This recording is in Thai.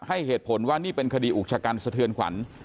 เหตุผลว่านี่เป็นคดีอุกชะกันสะเทือนขวัญ